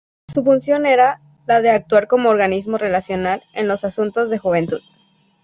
Su función era la de actuar como organismo relacional en los asuntos de Juventud.